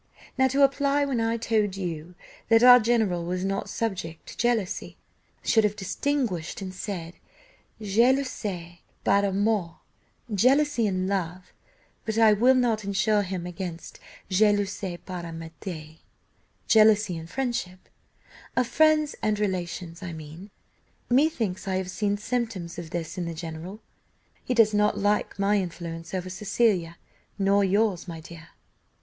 Now, to apply; when I told you that our general was not subject to jealousy, I should have distinguished, and said, jalousie par amour jealousy in love, but I will not ensure him against jalousie par amitié jealousy in friendship of friends and relations, I mean. Me thinks I have seen symptoms of this in the general, he does not like my influence over Cecilia, nor yours, my dear."